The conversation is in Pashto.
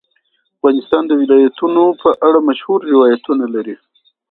افغانستان د ولایتونو په اړه مشهور روایتونه لري.